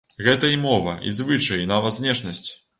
Гэта і мова, і звычаі, і нават знешнасць.